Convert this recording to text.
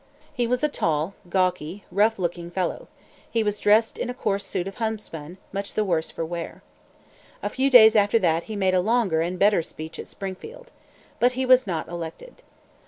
He was a tall, gawky, rough looking fellow. He was dressed in a coarse suit of homespun, much the worse for wear. A few days after that, he made a longer and better speech at Springfield. But he was not elected.